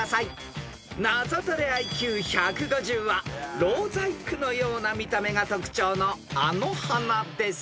［ナゾトレＩＱ１５０はろう細工のような見た目が特徴のあの花です］